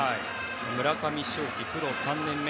村上頌樹、プロ３年目。